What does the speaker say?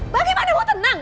bagaimana mau tenang